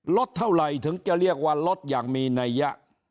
ลดเท่าไหร่ถึงจะเรียกว่าลดอย่างมีนัยยะ